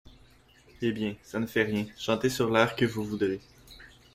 Eh ! bien, ça ne fait rien, chantez sur l’air que vous voudrez.